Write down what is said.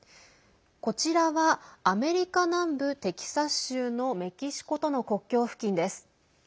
こちらはアメリカ南部テキサス州のメキシコとの国境付近です。